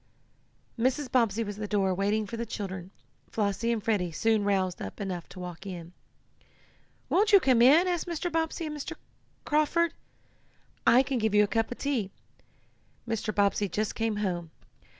Mrs. Bobbsey was at the door waiting for the children Flossie and Freddie soon roused up enough to walk in. "Won't you come in?" asked Mrs. Bobbsey of Mr. Carford. "I can give you a cup of tea. Mr. Bobbsey just came home.